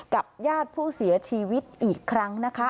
กับญาติผู้เสียชีวิตอีกครั้งนะคะ